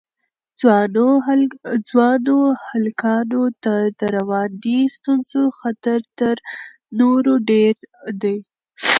ځوانو هلکانو ته د رواني ستونزو خطر تر نورو ډېر دی.